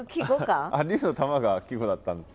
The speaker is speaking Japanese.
あっ「竜の玉」が季語だったんだ。